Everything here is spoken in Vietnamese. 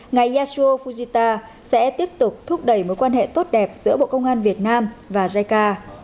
ngài yashu fujita sẽ tiếp tục thúc đẩy mối quan hệ tốt đẹp giữa bộ công an việt nam và jica